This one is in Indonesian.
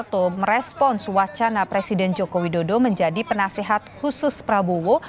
atau merespons wacana presiden jokowi dodo menjadi penasehat khusus prabowo